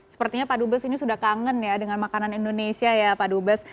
sepertinya pak dubes ini sudah kangen ya dengan makanan indonesia ya pak dubes